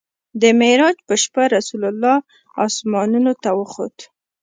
د معراج په شپه رسول الله اسمانونو ته وخوت.